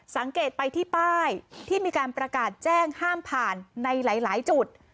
สังเกตไปที่ป้ายที่มีการประกาศแจ้งห้ามผ่านในหลายจุด